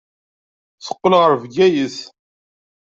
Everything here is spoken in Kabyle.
Teqqel ɣer Bgayet.